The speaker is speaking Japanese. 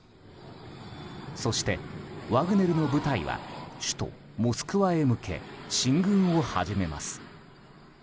そして、ワグネルの部隊は首都モスクワへ向け進軍を始めます。